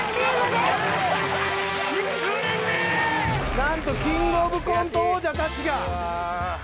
なんとキングオブコント王者たちが。